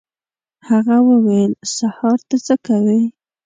هغه وویل: «سهار ته څه کوې؟»